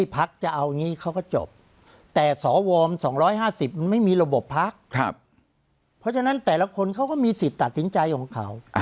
พักจะเอาอย่างนี้เขาก็จบแต่สว๒๕๐ไม่มีระบบพักเพราะฉะนั้นแต่ละคนเขาก็มีสิทธิ์ตัดสินใจของเขา